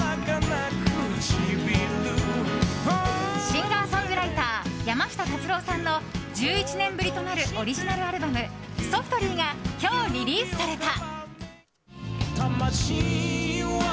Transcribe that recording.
シンガーソングライター山下達郎さんの１１年ぶりとなるオリジナルアルバム「Ｓｏｆｔｌｙ」が今日リリースされた。